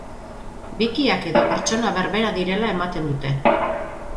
Bikiak edo pertsona berbera direla ematen dute.